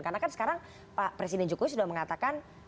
karena kan sekarang pak presiden jokowi sudah mengatakan